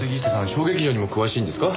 小劇場にも詳しいんですか？